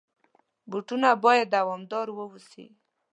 بوټونه باید دوامدار واوسي.